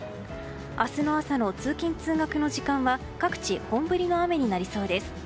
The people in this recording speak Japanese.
明日の朝の通勤・通学の時間は各地、本降りの雨になりそうです。